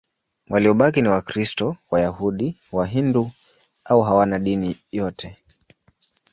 Waliobaki ni Wakristo, Wayahudi, Wahindu au hawana dini yote.